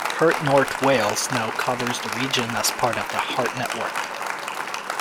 Heart North Wales now covers the region as part of the Heart Network.